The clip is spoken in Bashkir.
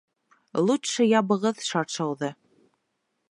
Лутче ябығыҙ шаршауҙы!